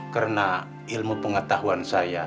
karena ilmu pengetahuan saya